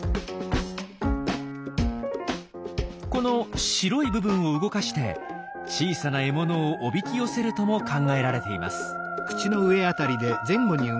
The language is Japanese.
この白い部分を動かして小さな獲物をおびき寄せるとも考えられています。